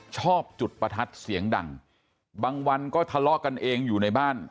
ชอบจุดประทัดเสียงดังบางวันก็ทะเลาะกันเองอยู่ในบ้าน